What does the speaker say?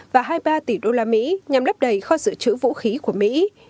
và hai mươi ba tỷ usd nhằm đắp đầy kho sửa chữ vũ khí của mỹ